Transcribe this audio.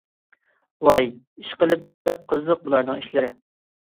ۋاي ئىشقىلىپ، بەك قىزىق بۇلارنىڭ ئىشلىرى.